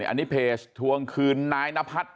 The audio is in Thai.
อันนี้เพจทวงคืนนายนพัฒน์